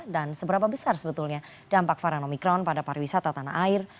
dan seberapa besar sebetulnya dampak varian omicron pada pariwisata tanah air